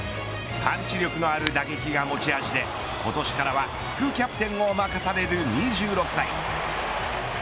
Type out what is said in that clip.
パンチ力のある打撃が持ち味で今年からは副キャプテンを任される２６歳。